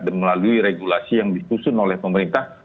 dan melalui regulasi yang disusun oleh pemerintah